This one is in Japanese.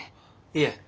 いえ。